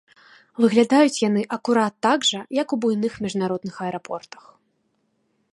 Выглядаюць яны акурат так жа, як у буйных міжнародных аэрапортах.